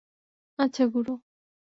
আচ্ছা, গুরু!